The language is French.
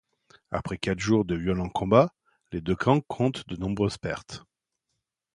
Après quatre jours de violents combats, les deux camps comptent de nombreuses pertes.